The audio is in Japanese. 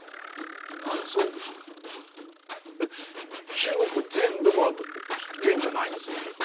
中国全土が元じゃないんですね。